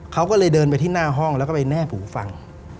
เขาก็เลยเดินไปที่หน้าห้องแล้วก็ไปแนบหูฟัง